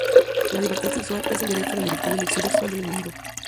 La libertad sexual es el derecho a la libertad de elección sexual del individuo.